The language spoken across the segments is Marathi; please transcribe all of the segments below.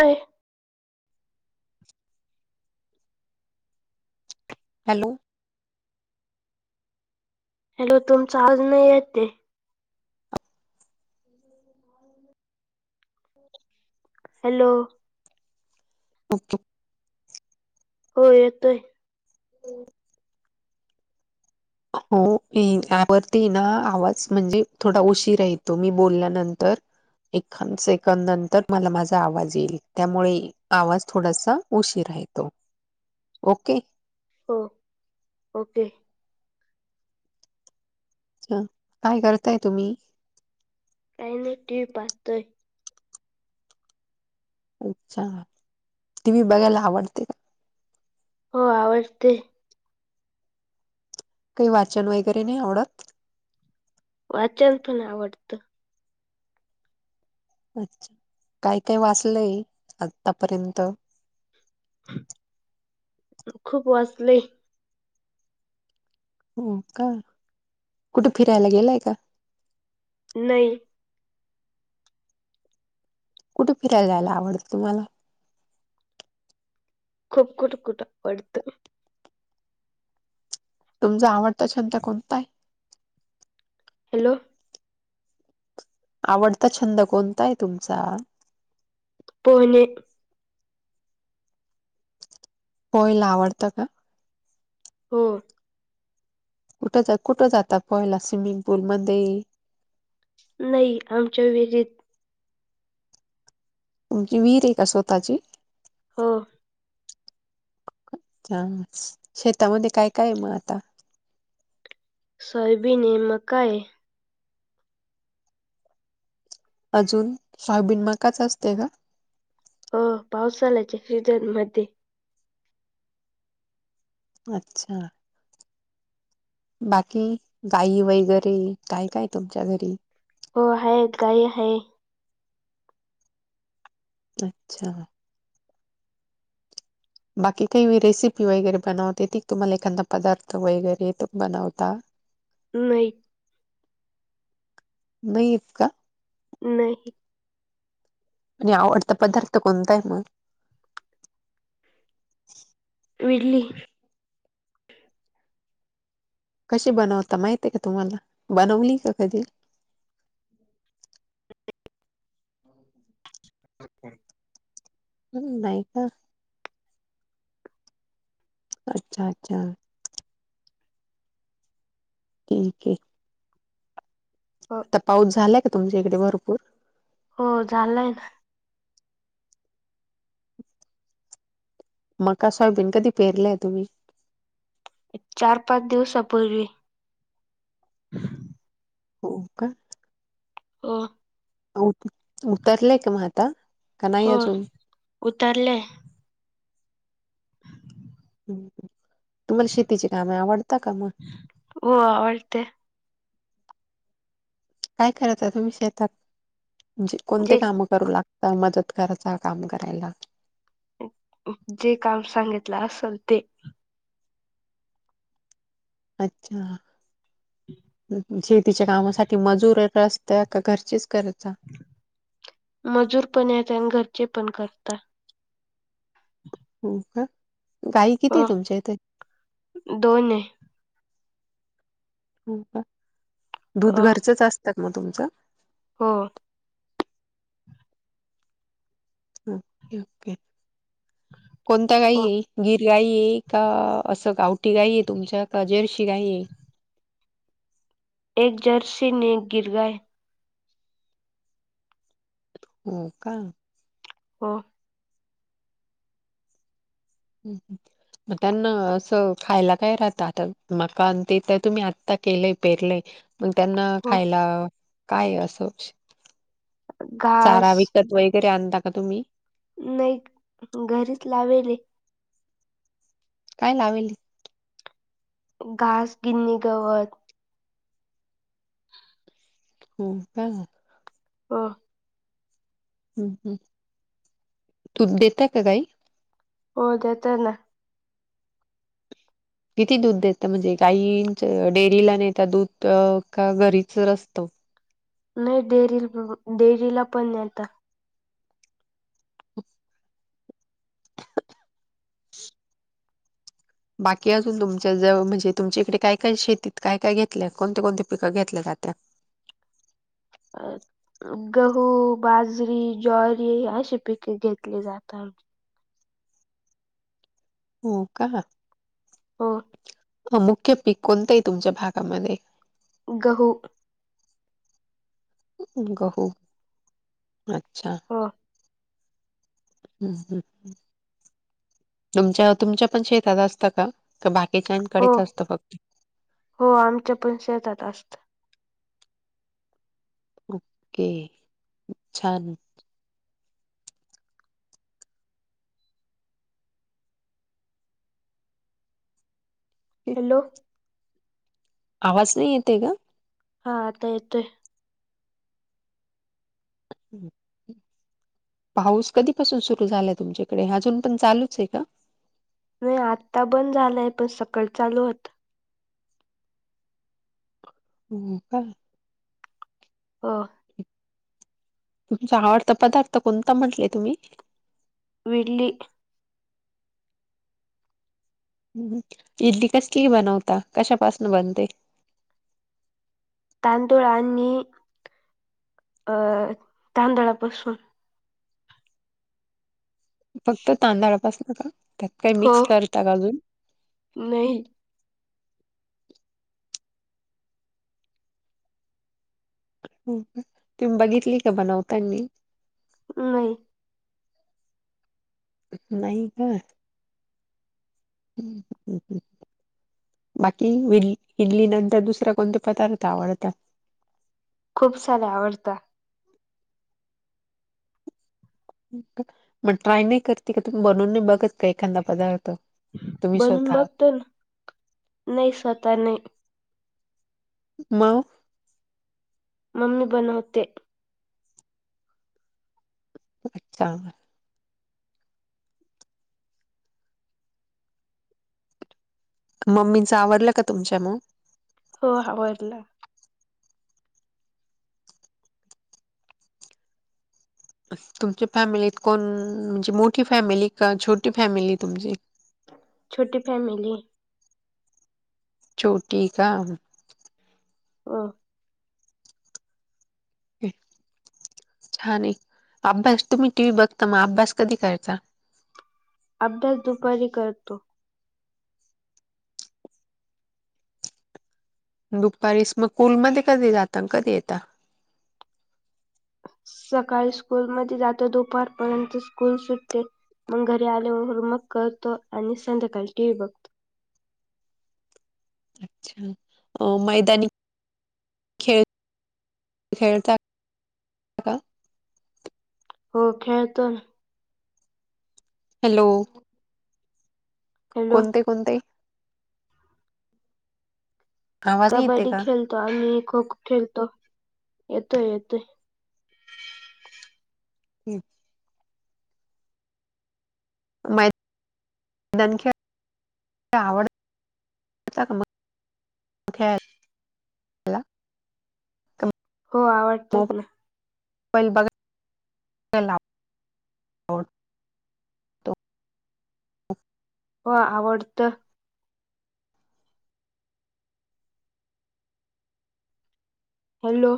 नाही. हॅलो. हॅलो. तुमचा आवाज नाही येते. [unintelligible] हॅलो. ओके. हो येतोय. हो [unintelligible] हो यावरती ना. आवाज म्हणजे थोडा उशीर यतो. मी बोलल्यानंतर. एखाद्या सेकंद नंतर. तुमला माझा आवाज येईल. त्यामुळे आवाज थोडासा उशीरा येतो. ओके. हो. ओके. अच्छा. काय करताय तुम्ही? काही नाही. टीव्ही पाहतोय. अच्छा. टी व्ही बघायला आवडते का? हो आवडते. काही वाचन वगैरे नाही आवडत. वाचन पण आवडतं. अच्छा. काय काय वाचलंय? आतापर्यंत. खूप वाचलय. हो का? कुठे फिरायला गेलाय का? नाही. कुठ फिरायला जायला आवडतं तुम्हाला. खूप कुठ कुठ आवडतं. तुमचा आवडता छंद कोणताय? हॅलो. आवडता छंद कोणताय तुमचा? पोहने. पोहायला आवडतं का? हो. कुठं ज, कुठं जाता पोहायला. स्विमिंग पूल मध्ये. नाही. आमच्या वीहीरीत. तूमची वीहीरे का स्वतःची? हो. च, शेतामध्ये काय काय मग आता. सॉयबीने, मकाये. अजून. सोयाबीन मकाच असते का? हो. पावसाळ्याच्या सीझन मध्ये. अच्छा. बाकी गाई वगैरे काय काय तुमच्या घरी हो आहे काय आहे अच्छा बाकी काही रेसिपी वगैरे बनवते ती तुम्हाला एखादा पदार्थ वगैरे तो बनवता [inaudible] नाही नाहीत का नाही म्हणजे आवडता पदार्थ कोणता आहे मग बडली कसे बनवता माहित आहे का तुम्हाला बनवली का कधी [inaudible] अच्छा हम् नाहीय का अच्छा अच्छा के हो पाऊस झालाय का तुमच्या इकडे भरपूर हो झालंय ना मकासॉयबीन कधी पेरलंय तुम्ही चार पाच दिवसापूर्वी हो का अ उतरलेय का म आता. का नाही हो अजून? उतरले. तुम्हाला शेतीचे काम आवडत का मग. हो आवडते काय करता आहे तुम्ही शेतात म्हणजे कोणते जे काम करू लागता मदत करायचा काम करायला जे काम सांगितलं असेल ते अच्छा शेतीच्या कामासाठी मजूर तरका घरचीच गरज आहे मजूर पण या घरचे पण करतात हो का गाई किती हो तुमच्या इथे दोन आहे का दूध अ घरचेच असतात मग तुमचं हो ओके ओके कोणत काही हो येईल गिर गाई का असं गावठीी गाई आहे तुमच्या का जर्शी गाई आहे. एक जर्स नक गिर गय हो का ह हम् हम् मग त्यांना असं खायला काय राहत आता म ते तर तुम्ही आत्ता केलंय पेरलंय मग त्यांना हो खायला काय असो घास चारा विकत वगैरे आणता का तुम्ही नाही घरीच लावेले काय लावेल घास गिननी गवत ह होय हो हम् हम् तू दता का काही. हो दे्याता ना. किती दूध देत म्हणजे काही इंच डेअरीला नता दूध का घरीच र असतं. नाही डेरी डेरीला पण येता. [inaudible] बाकी अजून तुमच्या ज म्हणजे तुमच्या इकडे काय काय शेतीत काय काय घेतलं कोणती कोणती पिकं घेतल्या जात्यात? अ गहू, बाजरी, ज्वारी अशी पिके घेतली जातात. हो का? हो. मुख्य पीक कोणतं आहे तुमच्या भागामध्ये? गहू. गहू अच्छा.. हो. हम्म हम्म. तुमच्या तुमच्या पण शेतात असतं का का हो बाकीच्यांकडेच असतं फक्त? हो आमच्या पण शेतात असत. ओके छान. हॅलो! आवाज नाही येतय का? हा आता येतोय. हम्म. पाऊस कधीपासून सुरू झालाय तुमच्याकडे अजून पण चालूच आहे का? नाही आत्ता बंद झालंय पण सकाळ चालू होत. हो का. हं. तुमचा आवडता पदार्थ कोणता म्हंटले तुम्ही? विडली. हम्म इडली कसली क बनवता कशापासून बनते? तांदूळ आणि अं तांदळापासून. फक्त तांदळापासन का त्यात काही हो मिक्स करता का अजून? नाही. तुमी बघितली का बनवतानी? नाही. नाही का? हम् हम हम. बाकी विड इडली नंतर दुसरा कोणते पदार्थ आवडता? खूप सारे आवडता. मग ट्राय नाही करते का तुम्ही बनवून नाही बघत का एखादा पदार्थ? तुम्ही बनून स्वतः बघतो ना नाही स्वतः नाही. मग? मम्मी बनवते. अच्छा. मम्मीचं आवरलं का तुमच्या मग? हो आवरल. तुमच्या फॅमिलीत कोण म्हणजे मोठी फॅमिली का छोटी फॅमिली तुमची? छोटी फॅमिलीय. छोटी का? हम्म. छान आहे अभ्यास तुम्ही टी. व्ही बघता मग अभ्यास कधी करायचा आभ्यास दुपारी करतो. दुपारीस मग कुलमध्येध्ये कधी जात कधी येतात. सकाळी स्कूलमध्येध्ये जातो दुपर. परंतु स्कूल सुटते मग घरी आल्यावर होमवर्क करतो. आणि संध्याकाळी टी. व्ही बघतो. अच्छा अ मैदानी खेळ खेळता. का हो खेळ तर हॅलो. हॅलो कोणते कोणते? आवाज नाही येते कबड्डी का खेळतो. आणि खो खो खेळतो येतोय येतोय. ह. मै मै खळ आवड. क हला. हो आवडतात ना. मोबाईल बघा. आवडतो. [inaudible] हो आवडत. हॅलो!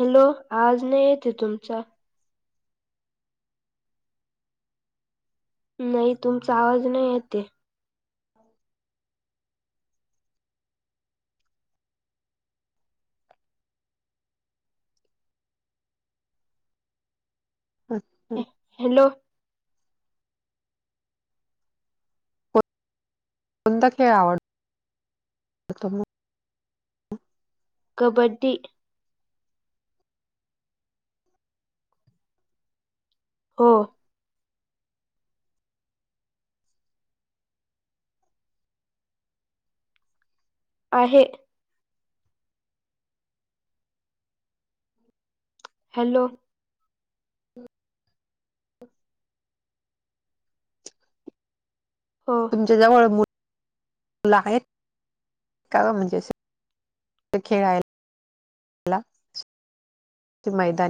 हॅलो आज नाही येते तुमचा? नाही तुमचा आवाज नाही येते. ह. कोणता हॅलो. कोणता? खेळ आवडत. कबड्डी.. हो. आहे. हॅलो. हा. तुमच्या जवळ मु मु आहेत. का ग म्हणजे अस खेळायला मैदानी